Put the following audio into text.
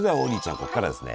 ここからですね